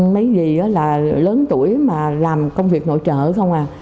mấy gì là lớn tuổi mà làm công việc nội trợ không à